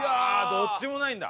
どっちもないんだ。